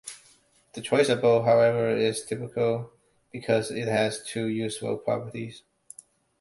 The choice above, however, is typical because it has two useful properties.